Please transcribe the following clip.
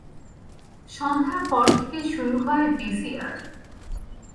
সন্ধ্যার পর থেকে শুরু হয় ভিসিআর।